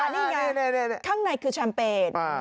นี่ไงข้างในคือแชมเปญ